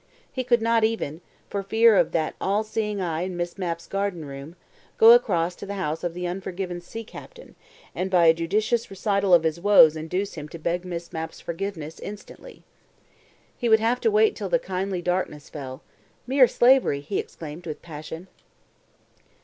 He could not even, for fear of that all seeing eye in Miss Mapp's garden room, go across to the house of the unforgiven sea captain, and by a judicious recital of his woes induce him to beg Miss Mapp's forgiveness instantly. He would have to wait till the kindly darkness fell. ... "Mere slavery!" he exclaimed with passion.